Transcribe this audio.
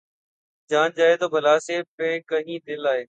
جان جائے تو بلا سے‘ پہ کہیں دل آئے